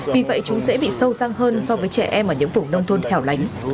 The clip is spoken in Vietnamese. vì vậy chúng sẽ bị sâu răng hơn so với trẻ em ở những vùng nông thôn hẻo lánh